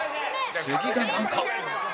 次が難関